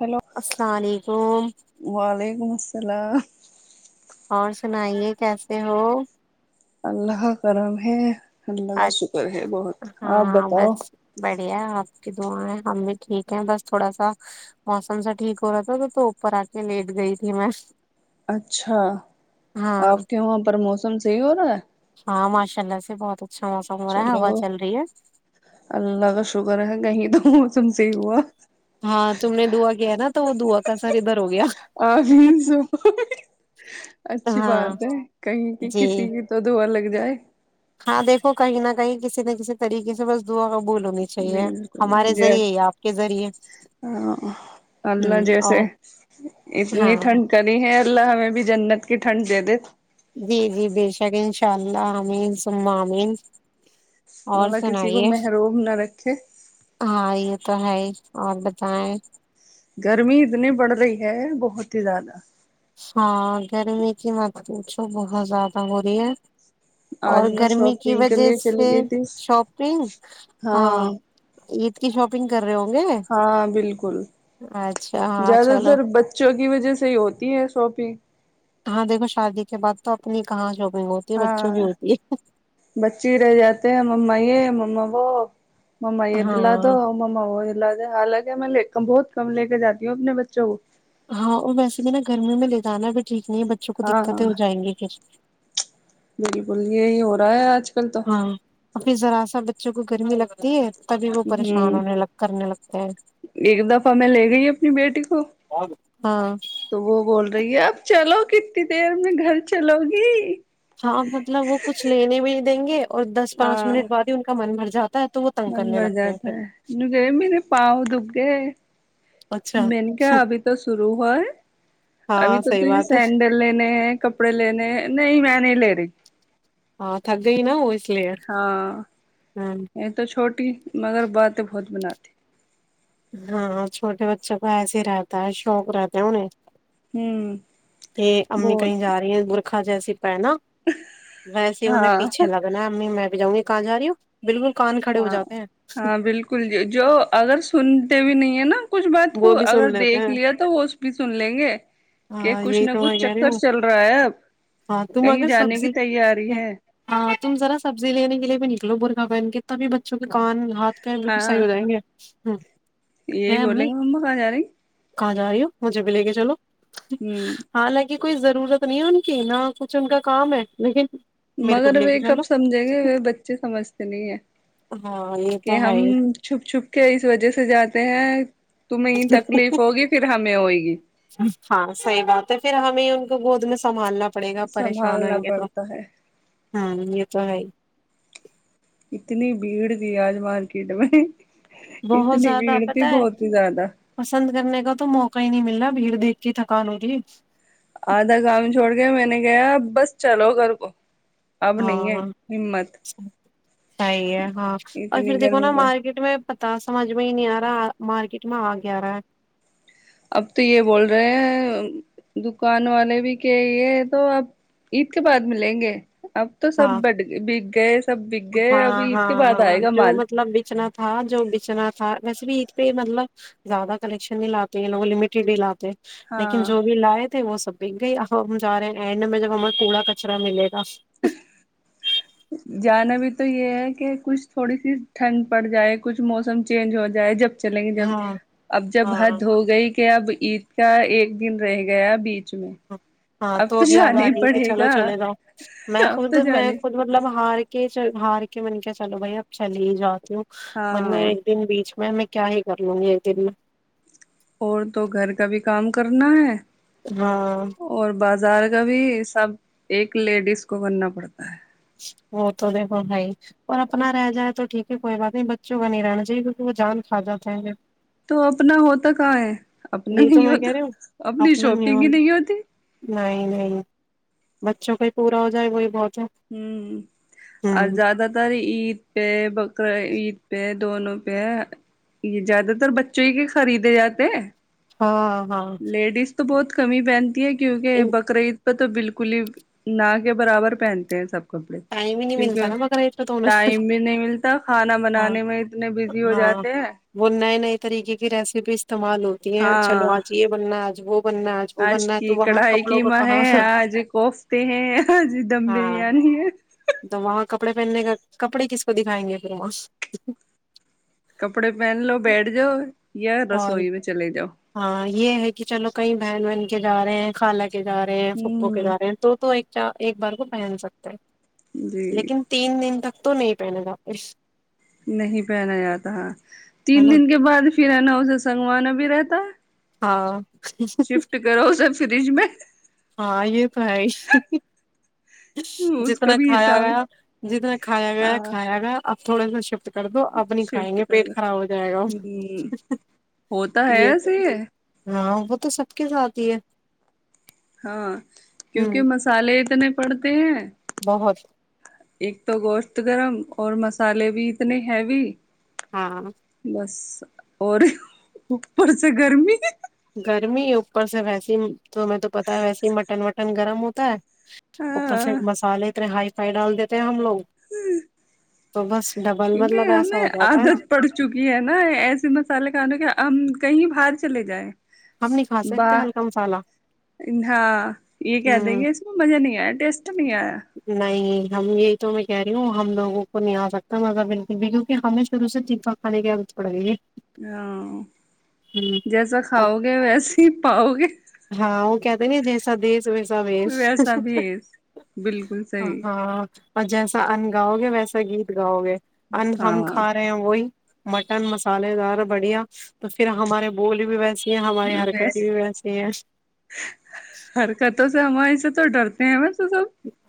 Hello السلام علیکم سلام اور سنائیے کیسے ہو اللہ کرم ہے اللہ کا اچ- شکر ہے بہت آپ ہاں بتاؤ بس بڑھیا آپ کی تو آ ہے ہم بھی ٹھیک ہیں بس تھوڑا سا موسم سا ٹھیک ہو رہا تھا تو تو اوپر آ کے لیٹ گئی تھی میں اچھا ہاں آپ کے وہاں پر موسم صحیح ہو رہا ہے ہاں ماشاء اللہ سے بہت اچھا موسم ہو رہا ہے ہوا چلو چل رہی ہے اللہ کا شکر ہے کہیں تو تم سےی ہوا ہاں تم نے دھواں کیا نا تو وہ دھواں کا سر ب آ سو [unintelligible] اچھی ہاں بات ہے کہیں کہ جی کسی کی تو دوا لگ گائے [unintelligible] ہاں دیکھو کہیں نہ کہیں کسی نہ کسی طریقے سے بس دعا ہو بالکل ج آپ کے ذریعے اللہ ہوں جیسے اور اتنی ہاں ٹھنڈ کری ہے اللہ ہمیں بھی جنت کی ٹھنڈ دے دے جی جی بے شک انشاء اللہ امین مہ اامین اللہ کسی کو محرووم نہ رکھے ہاں یہ تو ہے ہی اور بتائیں گرمی اتنی بڑھ رہی ہے بہت ہی زیادہ ہاں گرمی کی مات تو بہت زیادہ ہو رہی ہے اور آج میں گرمی کی شاپنگ کے وجہ لیے سے چلی گئی تھی شاپنگ ہاں عید کی شاپنگ کر [unintelligible] ہاں بالکل اچھا ہاں زیادہ چلو تر بچوں کی وجہ سے ہی ہوتی ہے سوپی [unintelligible] ہاں دیکھو شادی کے بعد تو اپنی کہاں ج ہاں بچی رہ جاتے ہیں ما نو [unintelligible] م ا ہے دلااد ہاں ا م [unintelligible] حالانکہ میں بہت کم لے کے جاتی ہوں اپنے بچوں کو ہاں اور ویسے بھی نا گرمی میں لے جانا بھی ٹھیک تنی بچوں کو دقتیں ہو جائیں گی کھر بالکلیےی ہو رہا ہے آج کل تو ہ ہاں [unintelligible] ابھی ذرا سا بچوں کو گرمی لگتی ہے تبھی وہ پریشان ہ ہونے لگ کرنے لگتے ہیں ایک دفعہ میں لے گئی اپنی بیٹی کو ہاں تو وہ بول رہ بیا اب چلو کتنی دیر میں گھر چلو گی ہاں مطلب وہ کچھ لینے میں ہی دیں گے اور دس پانچ ہاں منٹ بعد ہی ان کا من بھرتا جاتا ہے تو وہ تنگ من کرنے بر لگتے ہیں جاتا پھر ہے کہ میرے پاؤ دکھ گئے اچھا میں نے کیا ابھی تو شروع ہوا ہے ابھی ہاں تو ت صحیح یہ بات ہے سینڈل لینے ہیں کپڑے لینے ہیں نہیں میں نہیں لے رہی ہاں تھک گئی نہ ہاں یہ تو چھوٹ رٹی مگر باتیں بہت بناتی ہاں چھوٹے بچوں کو ایسے ہی رہتا ہے شوق رہتا انہیں ہمم کہ امی کہیں جا رہی ہیں رکھا جائےسے ہے نا ویس ہی انہیں پیچھے ہاں لگنا ہے امی میں بھی جؤں گی کہ جا رہی ہو بالکل کان کھڑے ہاں جاتے ہیں ہاں بالکل ج جو اگر سنتے بھی نہیں ہیں نا کچھ بات وہ کو بھی اگر سن لیتے دیکھ ہیں لیا تو وہ بھی سن لیں گے کہ ہاں کچھ یہی نہ تو کچھ میں کہہ رہی چکر ہوں چل رہا ہے اب ہاں تم کہیں اگر جانے کی سبزی تیاری ہے ہگن کے تبھی بچوں کے کان ہاتھ پ بالکل صحیح ہاں ہو جائیں گے ہاں یہی بولے گا مما [inaudible] کہاں جا رہی ہوں مجھے بھی لے کے چلو ہوں ہاں لگے کوئی ضرورت نہیں ہے ان کی نہ کچھ ان کا کام ہے لیکن میرے کو بھی مگر لے وہ کے چلو کب سمجھیں گے وہ بچے سمجھتے نہیں ہے ہاں یہ کہ تو ہم ہے ہی چھپ چھپ کے اس وجہ سے جاتے ہیں تمہیں تکلیف ہوگی پھر ہمیں ہوئے گی ہاں صحیح بات ہے پھر ہمیں ان کو گود میں سنھالنا پڑے گا پریشان سنبھالنا ہوئیں گے تو پڑتا ہے ہ یہ تو ہے اتنی بھیڑ تھی آج مارکیٹ میں بہت اتنی زیادہ بھیڑ پت تھی ہے بہت ہی زیادہ پسند کرنے کا تو موقع ہی نہیں مل رہ بھیڑ دیکھ کے تھکان ہو جی آدھا کام چھوڑ کے میں نے گیا بس چلو گھر کو اب نہیں ہے ہاں ہمت صحیح ہے ہاں اور پھر اتنی دیکھو نا گرمی پڑ مارکیٹ میں پتا سمجھ میں ہی نہیں آ رہا مارکیٹ میں آ گیا رہا ہے اب تو یہ بول رہے ہیں دکان والے بھی کہ یہ تو اب عید کے بعد ملیں گے اب تو سب ہاں بٹ گیس سب بک گئے ہاں ابھی ات کے ہاں بعد ہاں آئے گا جو مال مطلب بیچنا تھا جو بچنا تھا ویسے بھی عید پہ مطلب زیادہ کنیکشن نہیں لاتے یہ لوگ لمیٹیڈ ہی لاتے لیکن ہاں جو بھی لائے تھے وہ سب بھی گئی ہم جا رہے ہیں اینڈ میں ہمیں کوڑا کچرا ملے گا جانا بھی تو تو یہ ہے کہ کچھ تھوڑی سی ٹھنڈ پڑ جائے کچھ موسم چینج ہو جائے جب چلیں گے جب ہاں اب جب ہاں حد ہو گئی کہ اب عید کا ایک دن رہ گیا بیچ چ میں ہاں ہاں اب تو ابھی یاد جانا آ ہی رہی ہے کہ پڑے چلو گا چلے جاؤ میں اب خود تو میں جانے خود مطلب ہار کہ ہار کے من کے چلو بھائی اب چلی ہی جاتؤ م میں ہاں ایک دن بیچ میں میں کیا ہی کر لوں گی ایک دن میں اور تو گھر کا بھی کام کرنا ہے ہاں اور بازار کبھی سب ایک لیڈیز کو کرنا پڑتا ہے وہ تو دیکو ہےائی اور اپنا رہ جائے تو ٹھیک ہے کوئی بات نہیں بچوں کا نہیں رہنا چاہیے کیونکہ وہ جان کھا جاتا ہے تو اپنا ہوتا کہاں ہے اپنا یہی تو نہیں میں کہہ ہوتا رہی ہوں اپنی اپنا شاپنگ ہی نیون نہیں ہوتی نہیں نہیں بچوں کا ہی پورا ہو جائے وہی بہت ہوں اور ہوں زیادہ تر عید پہ بقر عید پہ دونوں پہ ہے یہ زیادہ تر بچوں ہی کے خریدے جاتے ہاں ہاں لیڈیز تو بہت کمی پہنتی ہے کیونکہ بقرعید تو بالکل ہی نہ کے برابر پہن ہیں سب کپڑے ٹائم ہی نہیں ملتا کیونکہ نا بقرعید پہ تو انہیں۔ ٹائم بھی نہیں ملتا کھانا ہاں بنانے میں اتنے بزی ہو ہاں جاتے ہیں وہ نئے نئے طریقے کے رہیس بیچ استعمال ہوتی ہیں ہاں چلو آج یہ بننا ہے وہ بننا ہے وہ آج بننا ہے کی تو وہاں کڑھائی کپڑوں کا قماں ہے کہاں آج کوفتے ہیں آج دم ہاں بریانی ہے تو وہاں کپڑے پہننے کا کپڑے کس کو دکھائیں گے پھر وہاں کپڑے پہن لو بیٹھ جا اور ہاں یہ ہے کہ چلو کئی بہن بہن کے جا رہے ہیں کان لا کے جا رہے ہیں فکو کے ہوں جا رہے ہیں تو ایک ایک بار کوو پ سکتا ہے جی لیکن تین دن تک تو نہیں پہنے گا اس نہیں پہنا جاتا ہے تین نا دن کے بعد پھر ہے نا اسے سنگوانا بھی رہتا ہے ہاں شفٹ کرو اسے فریج میں ہاں یہ پ اس کا جتنا بھی کھایا حساب گیا جتنا کھایا گیا ہاں کھایا گیا تھوڑےا شف کر دو اب نہیں کھائیں شفٹ گے کر پیٹ دو خراب ہو جائے گا ہ ہوتا ہے یہ تو ایسے ہاں وہ تو سب کے ساتھ ہی ہے ہاں کیونکہ ہوں مسالے اتنے پڑھتے ہیں بہت ایک تو گوشت گرم اور مسالے بھی اتنے ہیوی ہاں بس اور اوپر سے گرمی گرمی اوپر سے ویسیے تو میں تو پتا ویسے ہی مٹن و پن گرم ہوتا ہے ات سے ہاں مسالے اتنے ہائی سائی ڈال دیتے ہیں ہم لوگ تو بس ڈبل کیونکہ مطلب ایسا ہمیں ہو جاتا ہے عادت پڑ چکی ہے نا ایسے مسالے کھانے کے ہم کہیں باہر چلے جائ ہم نہیں کھا سکتے باہ ہلکا مسالہ ہاں یہ کہ دیں ہوں گے اس میں مزہ نہیں آیا ٹیسٹ نہیں آیا نہیں ہم یہی تو میں کہہ رہی ہوں ہم لوگوں کو نہیں آ سکتا مزہ بالکل بھی کیونکہ ہمیں شروع سے فا کانے کی آدت پڑ رہی ہے ہاں ہوں جیسا اب کھاؤ گے ویسے ہی پاؤ گے ہاں وہ کہتے ن جیسا دس ویسا وش ویسا بھی ہے بالکل صحیح ہاں اور جیسا انگاؤ گے ویسے گیت گاؤ گے ان ہم ہاں کھا رہے ہیں وہی مٹن مسالے دار بڑھیا تو پھر ہمارے بول بھی ویسے یہ ہماری ویس حرکتییں بھی ویس حرکتوں سے ہمار اس تو ڈرتے ہیںا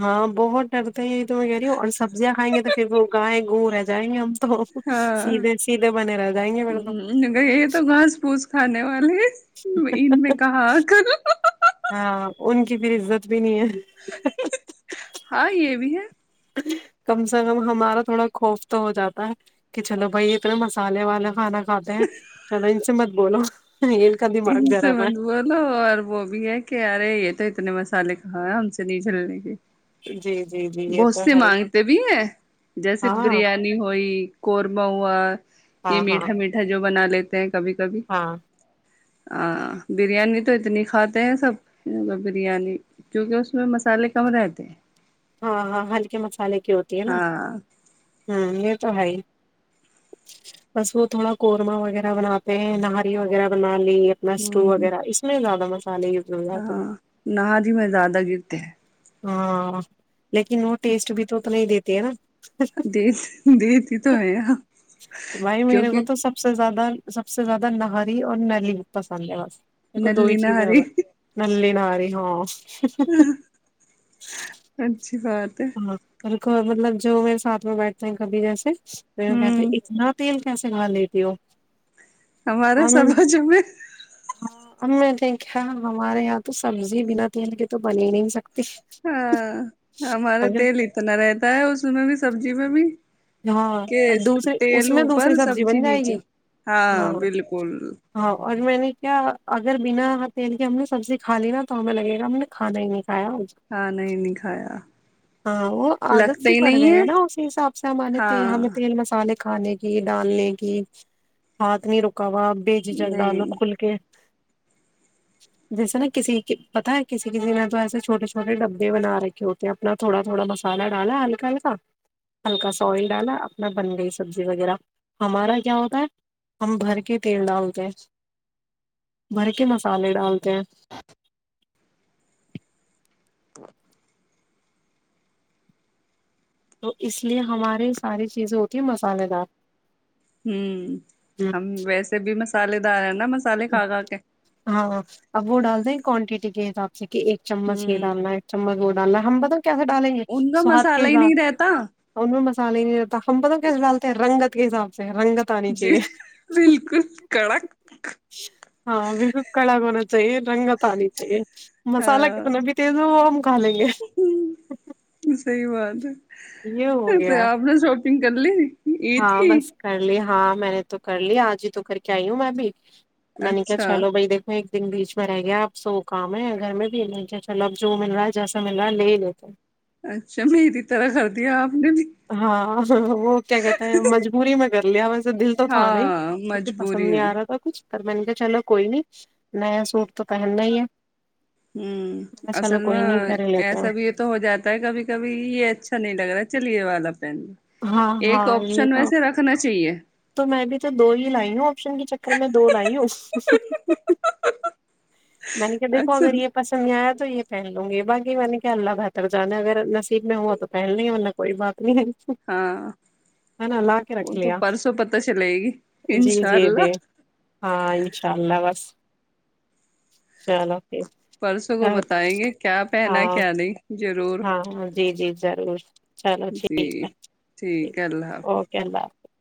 ہاں بہت ڈرتے یہ تو میں کہہ رہی ہوں اور سبزیاں کھائیں گے تو پھر وہ گائےیں گو رہ جائیں گے ہم تو ہاں سیدھے سیدھے بنے رہ جائیں گے پھر تو یہ تو گھاس پوس کھانے والے ان میں کہا کل ہاں ان کی پھر عزت بھی نہیں ہے ہاں یہ بھی ہے کم سے کم ہمارا تھوڑا خوف تو ہو جاتا ہے کہ چلو بھائی یہتنے مسالے والا کھانا خاتے ہیں انچ مد بلاو ان سے م بولو اور وہ بھی ہے کہ ارے یہ تو اتنے مسالے ہاں ہم سے نہیں جلنے کی جی جی جی یہ بہت تو سےی ہے مانگتے بھی ہیں جیسے ہاں بریانی ہوئی قورمہ ہوا یہ ہاں ہاں میٹھا میٹھا جو بنا لیتے ت کبھی کبھی ہاں ہ بریانی تو اتنی کھاتے ہیں سب بریانی کیونکہ اس میں مسالے کم رہتے ہیں ہاں ہاں ہلکے مسالے ہوتی ہے نا ہاں ہ یہ تو ہے ہی بس وہ تھوڑا قورمہ وغیرہ بناتے ہیں نہاری وغیرہ بناتے پلس ٹو ہ وغیرہ اس میں زیادہ مست ہاں نہا جی میں زیادہ گرتے ہیں ہاں لیکن وہ ٹیسٹ بھی تو ا تو نہیں ہی دیتے ہے نا د دتی ہی تو ہے بھائی میرے کیونکہ کو تو سب سے زیادہ سب سے زیادہ نہری اور نلی پسند ہے بس ا دو نلی چیز آ نہاری ن نہاری ہاں اچ ہچ شفات مطلب جو میرے ساتھ میں بیٹھتے ہیں کبھی جیسے تو کہتے ہوں اتنا تیل وس وندٹیو ہمارا سماج میں ہاں اب میں دیکھ ہمارے یہاں تو سبزی بنا تیل کے تو بنے نہیں سک ہاں ہمارا ھم [unintelligible] تیل اتلا رہتا ہے اس میں بھی سبزی میں بھی کہ ہاں دوسری اس تیل میں دوسری اوپر سبزی بن جائے نیچے گی ہاں ہاں اور میں نے کیا اگر بنا تیل کی ہم نے سبزی کھا لی نا تو ہمیں لگے گا ہم نے کھانا ہی نہیں ہاں نہیں نہیں کھایا ہاں وہ عادت لگتا سی ہی پڑ نہیں گئی ہے نا اسی حساب سے سامان ت ہاں ہم تینل مسالے کھانے کی ڈالنے کی ہاتھ نہیں رکا پوا بیج ج ڈ لو نہیں کھل کے جیسے نا کسی پتا ہے کسی کسی نے تو ایسے چھوٹے چھوٹے ڈبے بنا رکھے ہوتے ہیں اپنا تھوڑا تھوڑا مسالہ ڈالا ہلکا ہلکا ہلکا سائل ڈالا اپنا بن گئی سبزی وغیرہ ہمارا کیا ہوتا ہے ہم بھر کے تیل ڈالتے ہیں بھر کے مسالے ڈالتے ہیں تو [inaudible] تو اس لیئے ہماری ساری چیزیں ہوتی ہیں مسالحے دار ہوں ہم ویسے بھی م سال دار [unintelligible] کھا کھا کے ہاں اب وہ ڈال دیں کوانٹیٹی کے جاچ [unintelligible] کہ ایک چمچ یہ ہوں ڈالنا ایک چمچ گ ب الحمبد [unintelligible] کیا کیا دا لینگے ان کا سواد کے مسالہ ہی حساب نہیں رہتا سال ہ [unintelligible] ی ت ہم پت کس ڈالتے رنگت کے حاب سے رنگت آنی جی چاہیے بالکل کڑک ہاں و بلکل کڑک ہونا چاہیے رنگات آنی چاہئے مسالا ہاں کتا بھی تیز ہوا ہو ک لیں گے [unintelligible] صحیح بات ہے یہ ہو [unintelligible] تو [unintelligible] گیا آپنے نا شاپنگ گلی ت [unintelligible] ہاں بس کر لی ہاں میں نے تو کر لیا آج ہی تو کر کے آئی ہوں میں بھی میں نے کیا اچھا چلو بھائی دیکو ایک دن بیچ میں رہ گیا آپ سو کام ہے گھر میں بھی چلو اب جو مل رہا ہے جیسا مل رہا ہے لے لیتے اچھا مری طرح کردیا آپ نے بھی ہاں ہاں وہ کیا کہتے ہیں مجبوری میں کر لیا ویسے دل تو تھا نہیں ہاں کیونکہ پسند مجبوری نہیں میں آ رہا تھا کچھ پر م نے کہ چلو کوئی نہیں نیا سوٹ تو پہننا ہی ہے ہوں نے اصل چلو کوئی نہیں میں کر ہی لیتے ایسا ہیں بھی یہ تو ہو جاتا ہے کبھی کبھی یہ اچھا نہیں لگ رہا چل یے والا ہاں ایک ہاں یہی آپشن تو ویسے رکھنا چاہیے تو میں بھی تو دو ہی لائی ہوں آپشن کے چکر میں دو لائی ہوں میں نے کہ دیکھو اچھا اگر یہ پسند آیا تو یہ پہن لوں گی باقی میں نے کیا اللہ بہتر جانا ہے اگر نصیب میں ہوا تو پہن لیں گے ورنا کوئی بات نہیں ہے ہاں ہے نا لا کے رکھ وہ تو لیا پرسوں پتہ چلے گی جی انشاء جی جی اللہ ہاں انشاء اللہ بس چلو ٹھیک پرسوں کو بتائیں گے کیا پہنا ہاں کیا نہیں ضرور ہاں جی جی ضرور چلو جی ٹھیک ہےٹھیک ٹھیک ہے اللہ حافظ اوکے اللہ حافظ